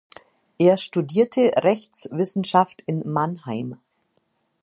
Er studierte Rechtswissenschaft in Mannheim.